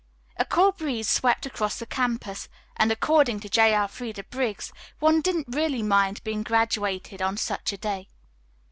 A cool breeze swept across the campus, and, according to J. Elfreda Briggs, one didn't really mind being graduated on such a day.